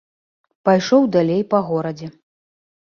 Пайшоў далей па горадзе.